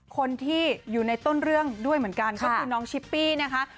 คนที่อยู่ในต้นเรื่องด้วยเหมือนกันก็คือน้องชิปปี้นะคะ